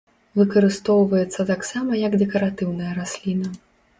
Выкарыстоўваецца таксама як дэкаратыўная расліна.